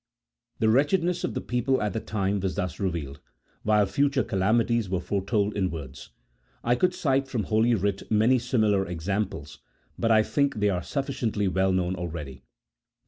The wretchedness of the people at the time was thus revealed, while future calamities were foretold in words. I could cite from Holy Writ many similar examples, but I think they are sufficiently well known already.